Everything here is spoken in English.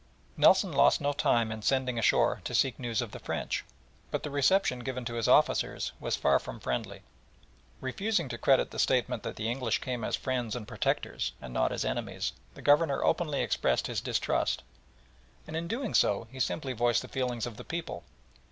Nelson lost no time in sending ashore to seek news of the French, but the reception given to his officers was far from friendly. Refusing to credit the statement that the English came as friends and protectors and not as enemies, the Governor openly expressed his distrust, and in doing so simply voiced the feelings of the people.